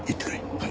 はい。